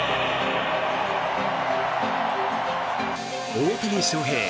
大谷翔平